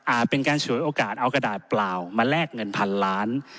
เป็นการฉวยโอกาสเอากระดาษเปล่ามาแลกเงินพันล้าน